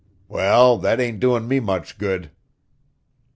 "Well, that ain't doin' me much good."